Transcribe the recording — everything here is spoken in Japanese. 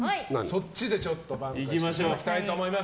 そっちでちょっと挽回していただきたいと思います。